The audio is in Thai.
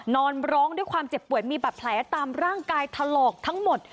นอนร้องด้วยความเจ็บป่วยมีบาดแผลตามร่างกายถลอกทั้งหมด